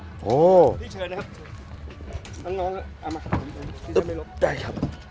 พี่เชิญนะครับน้องเอามาพี่จะไม่ลบ